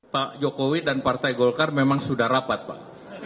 pak jokowi dan partai golkar memang sudah rapat pak